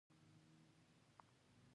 په کور کي ټول مسوليت د پلار پر غاړه وي.